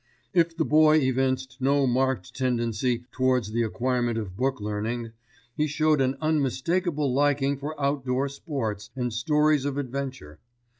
If the boy evinced no marked tendency towards the acquirement of book learning, he showed an unmistakable liking for out door sports and stories of adventure.